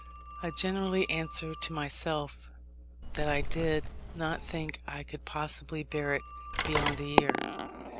I generally answered to myself that I did not think I could possibly bear it beyond a year.